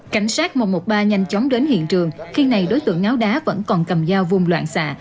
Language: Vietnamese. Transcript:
cảnh sát một trăm một mươi ba nhanh chóng đến hiện trường khi này đối tượng ngáo đá vẫn còn cầm dao vung loạn xạ